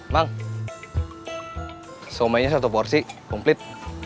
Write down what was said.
bang somenya satu porsi komplit